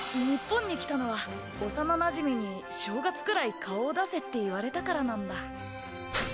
日本に来たのは幼なじみに正月くらい顔を出せって言われたからなんだ。